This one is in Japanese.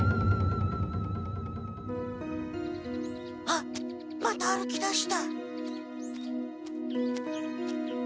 あっまた歩きだした。